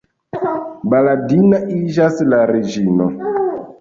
Baladina iĝas la reĝino.